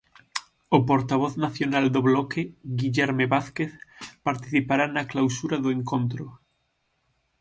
O portavoz nacional do Bloque, Guillerme Vázquez, participará na clausura do encontro.